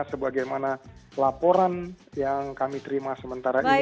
sebagaimana laporan yang kami terima sementara ini